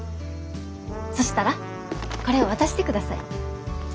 そしたらこれを渡してください。